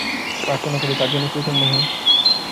প্রার্থনা করি, তাঁর যেন চৈতন্য হয়।